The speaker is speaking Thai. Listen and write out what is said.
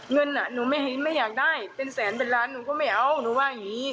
เงินหนูไม่อยากได้เป็นแสนเป็นล้านหนูก็ไม่เอาหนูว่าอย่างนี้